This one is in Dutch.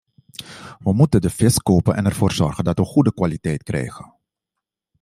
Wij moeten de vis kopen en ervoor zorgen dat we goede kwaliteit krijgen.